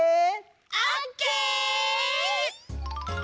オッケー！